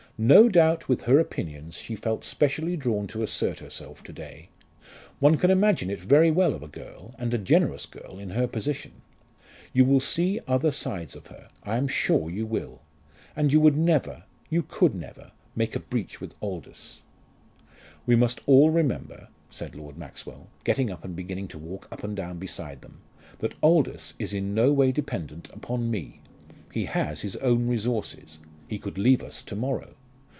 "No doubt with her opinions she felt specially drawn to assert herself to day. One can imagine it very well of a girl, and a generous girl in her position. You will see other sides of her, I am sure you will. And you would never you could never make a breach with Aldous." "We must all remember," said Lord Maxwell, getting up and beginning to walk up and down beside them, "that Aldous is in no way dependent upon me. He has his own resources. He could leave us to morrow.